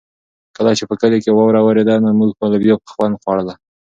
کله چې په کلي کې واوره ورېده نو موږ به لوبیا په خوند خوړله.